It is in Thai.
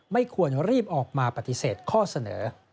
ไม่ควรรีบออกมาปฏิเสธข้อเสนอ